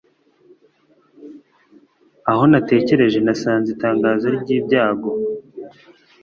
aho natekereje nasanze itangazo ryibyago